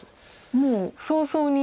もう早々に。